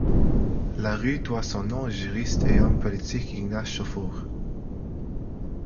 La rue doit son nom au juriste et homme politique Ignace Chauffour.